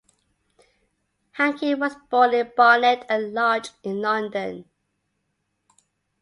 Hankey was born in Barnet and Lodge in London.